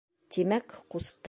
Тимәк, ҡусты.